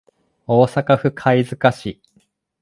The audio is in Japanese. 大阪府貝塚市